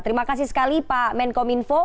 terima kasih sekali pak menkominfo